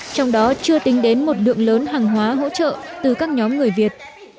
trong đó chưa tính đến một lượng lớn hàng hóa hỗ trợ từ các nhóm người việt